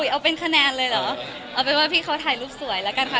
เอาเป็นคะแนนเลยเหรอเอาเป็นว่าพี่เขาถ่ายรูปสวยแล้วกันค่ะ